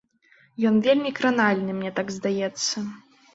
Ён вельмі кранальны, мне так здаецца.